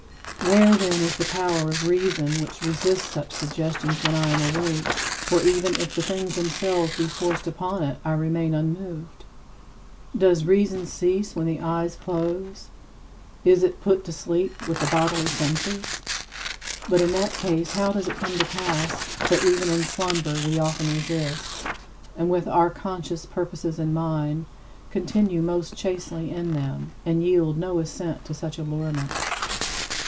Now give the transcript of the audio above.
Where, then, is the power of reason which resists such suggestions when I am awake for even if the things themselves be forced upon it I remain unmoved? Does reason cease when the eyes close? Is it put to sleep with the bodily senses? But in that case how does it come to pass that even in slumber we often resist, and with our conscious purposes in mind, continue most chastely in them, and yield no assent to such allurements?